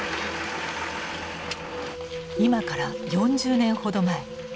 今から４０年ほど前。